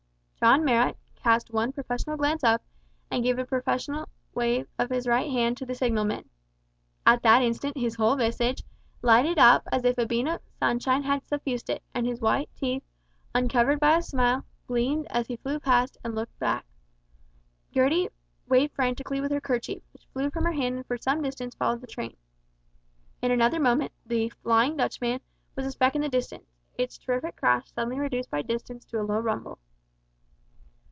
John Marrot cast one professional glance up, and gave a professional wave of his right hand to the signalman. At that instant his whole visage lighted up as if a beam of sunshine had suffused it, and his white teeth, uncovered by a smile, gleamed as he flew past and looked back. Gertie waved frantically with her kerchief, which flew from her hand and for some distance followed the train. In another moment the "Flying Dutchman" was a speck in the distance its terrific crash suddenly reduced by distance to a low rumble.